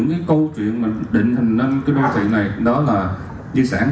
về những câu chuyện định hình nâng đô thị này đó là di sản